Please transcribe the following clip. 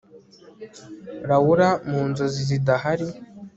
Laura mu nzozi zidahari